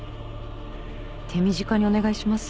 手短にお願いします。